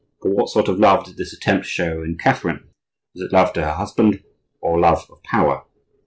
But what sort of love did this attempt show in Catherine? Was it love to her husband or love of power?